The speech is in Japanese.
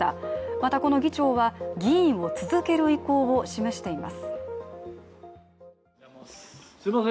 また、この議長は議員を続ける意向を示しています。